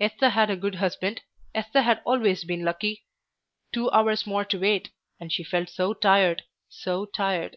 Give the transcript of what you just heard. Esther had a good husband, Esther had always been lucky. Two hours more to wait, and she felt so tired, so tired.